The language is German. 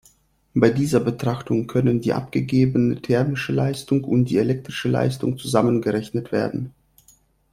Bei dieser Betrachtung können die abgegebene thermische Leistung und die elektrische Leistung zusammengerechnet werden.